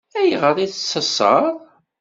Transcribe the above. Ayɣer i tt-teṣṣeṛ?